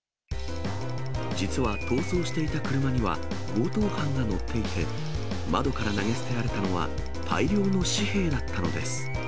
実は逃走していた車には強盗犯が乗っていて、窓から投げ捨てられたのは、大量の紙幣だったのです。